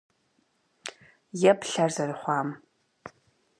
Еплъ ар зэрыхъуам!